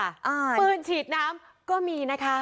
ฟื้นฉีดน้ำก็มีนะคะ